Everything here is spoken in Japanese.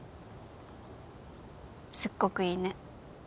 すっごくいいね。